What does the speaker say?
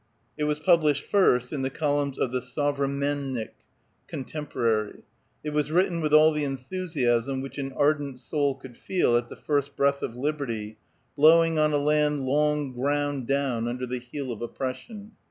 It was published first in the columns of the Sovremennik" (Contemporary), It was Wl'itten with all the enthusiasm which an ardent soul could feel at the first breath of liberty blowing on a land long ground down under the heel of oppression.